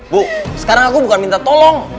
bu sekarang aku bukan minta tolong